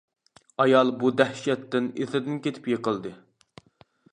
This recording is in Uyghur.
ئايال بۇ دەھشەتتىن ئېسىدىن كېتىپ يىقىلدى.